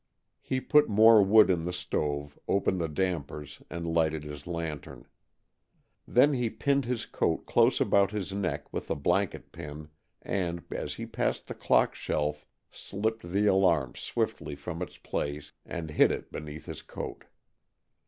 He put more wood in the stove, opened the dampers, and lighted his lantern. Then he pinned his coat close about his neck with a blanket pin, and, as he passed the clock shelf, slipped the alarm swiftly from its place and hid it beneath his coat.